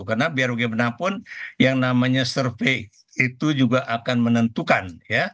karena biar bagaimanapun yang namanya survei itu juga akan menentukan ya